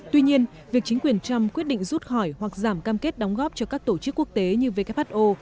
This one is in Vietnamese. tuy nhiên việc chính quyền trump quyết định rút khỏi hoặc giảm cam kết đóng góp cho các tổ chức quốc tế như who